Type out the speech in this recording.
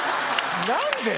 何で？